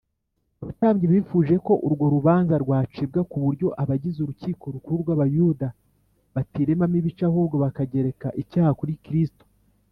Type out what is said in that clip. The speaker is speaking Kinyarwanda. abatambyi bifuje ko urwo rubanza rwacibwa ku buryo abagize urukiko rukuru rw’abayuda batiremamo ibice, ahubwo bakagereka icyaha kuri kristo